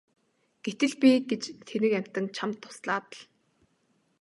Гэтэл би гэж тэнэг амьтан чамд туслаад л!